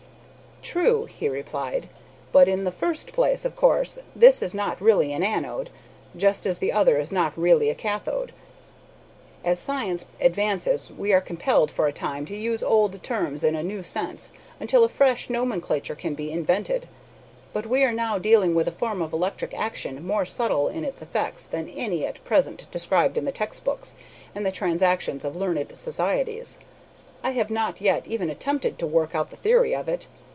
"True," he replied, "but in the first place, of course, this is not really an anode, just as the other is not actually a kathode. As science advances we are compelled, for a time, to use old terms in a new sense until a fresh nomenclature can be invented. But we are now dealing with a form of electric action more subtile in its effects than any at present described in the text books and the transactions of learned societies. I have not yet even attempted to work out the theory of it.